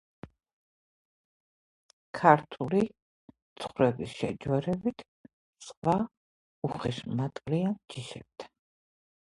ქართული ცხვრების შეჯვარებით სხვა უხეშმატყლიან ჯიშებთან.